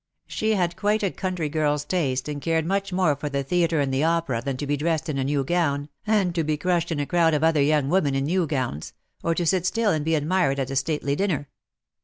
She had quite a country girl's taste, and cared much more for the theatre and the opera than to be dressed in a new gown, and to be crushed in a crowd of other young women in new gowns — or to sit still and be admired at a stately dinner.